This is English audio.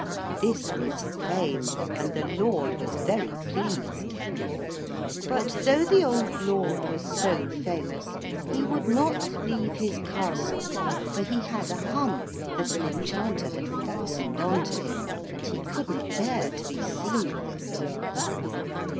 This was fame, and the lord was very pleased. But though the old lord was so famous he would not leave his castle, for he had a hump that an enchanter had fastened on to him, and he couldn't bear to be seen with it.